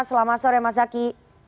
selamat sore mas zaki